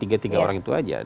tiga tiga orang itu aja